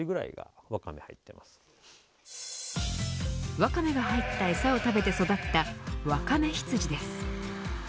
ワカメが入った餌を食べて育ったわかめ羊です。